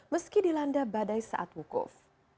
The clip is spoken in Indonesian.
meski dilanda badai saat wukuf